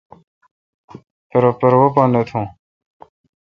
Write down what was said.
مہ پروا پا نہ تھو۔